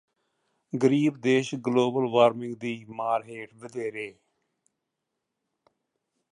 ਗਰੀਬ ਦੇਸ਼ global warming ਦੀ ਮਾਰ ਹੇਠ ਵਧੇਰੇ